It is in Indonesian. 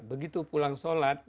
begitu pulang sholat